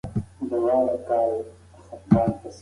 ټولنیز واقیعت د خلکو په ذهنونو کې رېښې وهي.